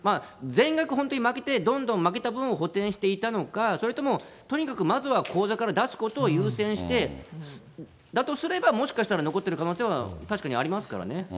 全額本当に負けて、どんどん負けた分を補填していたのか、それともとにかくまずは口座から出すことを優先して、だとすれば、もしかしたら残ってる可能性は、確かにありますからね。